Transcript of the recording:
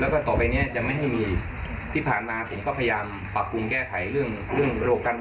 แล้วก็ต่อไปเนี้ยยังไม่ให้มีที่ผ่านมาผมก็พยายามปรับปรุงแก้ไขเรื่องเรื่องโปรกัน